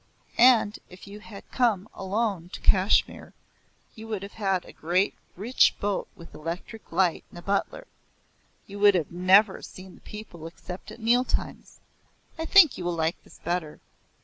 "And if you had come alone to Kashmir you would have had a great rich boat with electric light and a butler. You would never have seen the people except at meal times. I think you will like this better.